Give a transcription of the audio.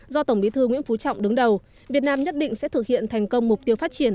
do tổng bí thư nguyễn phú trọng đứng đầu việt nam nhất định sẽ thực hiện thành công mục tiêu phát triển